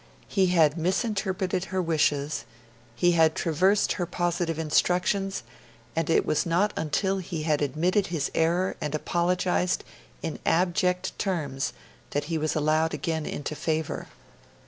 He had misinterpreted her wishes, he had traversed her positive instructions, and it was not until he had admitted his error and apologised in abject terms that he was allowed again into favour.